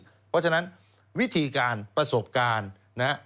เพราะฉะนั้นวิธีการประสบการณ์นะฮะ